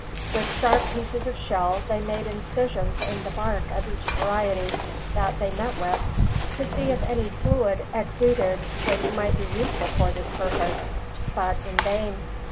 With sharp pieces of shell they made incisions in the bark of each variety that they met with, to see if any fluid exuded which might be useful for this purpose, but in vain.